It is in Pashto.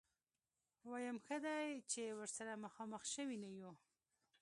ويم ښه دی چې ورسره مخامخ شوي نه يو.